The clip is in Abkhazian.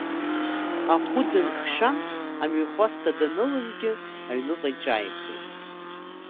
Ахәы дынхшәан, амҩахәасҭа данылангьы аҩныҟа иҿааихеит.